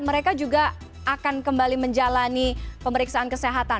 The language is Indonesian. mereka juga akan kembali menjalani pemeriksaan kesehatan